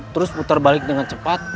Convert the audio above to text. terus putar balik dengan cepat